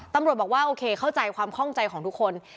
ตำรวจบอกว่าโอเคเข้าใจความคล่องใจของทุกคน